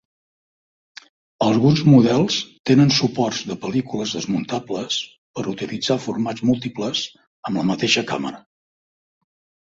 Alguns models tenen suports de pel·lícules desmuntables per utilitzar formats múltiples amb la mateixa càmera.